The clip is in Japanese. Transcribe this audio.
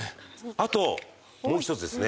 あと、もう１つですね。